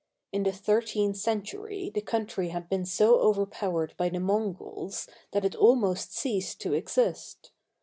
In the thirteenth century the country had been so overpowered by the Mongols that it almost ceased to exist.